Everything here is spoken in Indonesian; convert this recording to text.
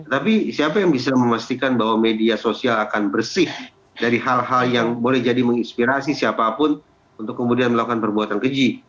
tapi siapa yang bisa memastikan bahwa media sosial akan bersih dari hal hal yang boleh jadi menginspirasi siapapun untuk kemudian melakukan perbuatan keji